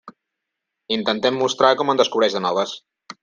Intentem mostrar com en descobreix de noves.